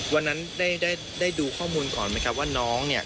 วันนั้นได้ดูข้อมูลก่อนไหมครับว่าน้องเนี่ย